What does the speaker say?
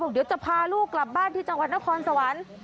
เดี๋ยวจะพาลูกกลับบ้านที่จังหวัดนครสวรรค์